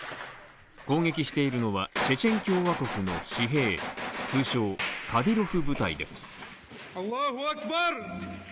攻撃しているのは、チェチェン共和国の私兵、通称カディロフ部隊です。